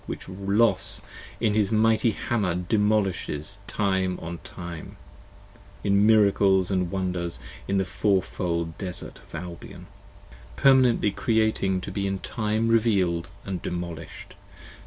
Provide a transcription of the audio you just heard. Which Los with his mighty Hammer demolishes time on time In miracles & wonders in the Four fold Desart of Albion, Permanently Creating to be in Time Reveal'd & Demolish'd.